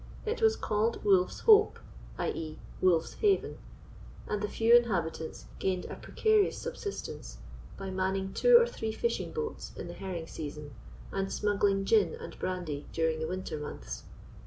It was called Wolf's Hope (i.e. Wolf's Haven), and the few inhabitants gained a precarious subsistence by manning two or three fishing boats in the herring season, and smuggling gin and brandy during the winter months.